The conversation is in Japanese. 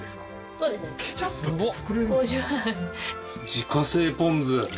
自家製ポン酢！